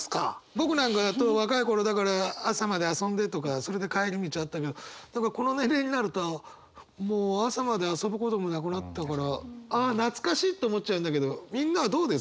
僕なんかだと若い頃だから朝まで遊んでとかそれで帰り道あったけどこの年齢になるともう朝まで遊ぶこともなくなったからああ懐かしいと思っちゃうんだけどみんなはどうです？